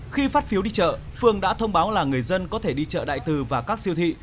khi phát phiếu đi chợ phương đã thông báo là người dân có thể đi chợ đại từ và các siêu thị